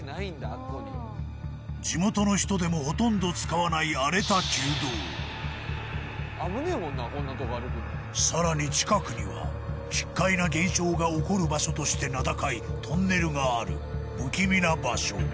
っこに地元の人でもほとんど使わない荒れた旧道危ねえもんなこんなとこ歩くのさらに近くには奇っ怪な現象が起こる場所として名高いトンネルがある不気味な場所